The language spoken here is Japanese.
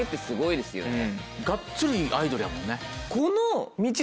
がっつりアイドルやもんね。